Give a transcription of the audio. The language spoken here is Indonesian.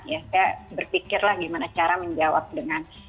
ya saya berpikir lah gimana cara menjawab dengan